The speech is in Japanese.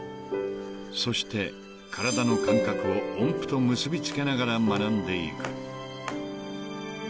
［そして体の感覚を音符と結びつけながら学んでいく］